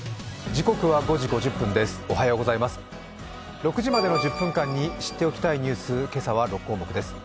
６時までの１０分間に知っておきたニュース、今朝は６項目です。